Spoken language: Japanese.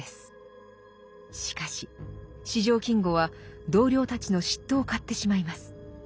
しかし四条金吾は同僚たちの嫉妬を買ってしまいます。